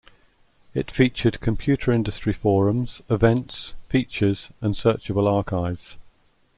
It featured computer industry forums, events, features and searchable archives.